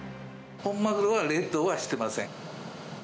本マグロは冷凍はしてません。